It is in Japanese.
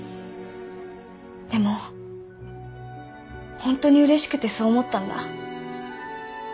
でもホントにうれしくてそう思ったんだ。